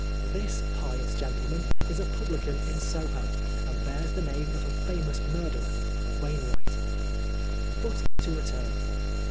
This pious gentleman is a pub lican in Soho, and bears the name of a famous mur derer, Wainwright. But to return.